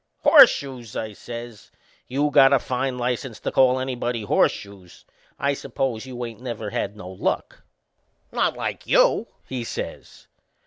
"Horseshoes!" I says. "You got a fine license to call anybody Horseshoes! I suppose you ain't never had no luck?" "Not like you," he says.